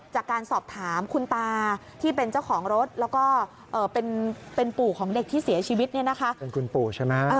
จากการสอบถามคุณตาที่เป็นเจ้าของรถแล้วก็เป็นปู่ของเด็กที่เสียชีวิตนะคะ